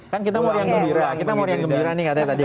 kan kita mau yang gembira kita mau yang gembira nih katanya tadi ya